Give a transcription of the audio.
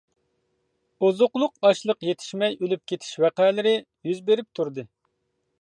ئوزۇقلۇق ئاشلىق يېتىشمەي ئۆلۈپ كېتىش ۋەقەلىرى يۈز بېرىپ تۇردى.